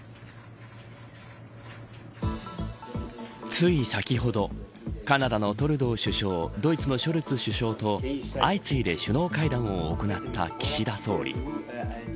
つい先ほどカナダのトルドー首相ドイツのショルツ首相と相次いで首脳会談を行った岸田総理。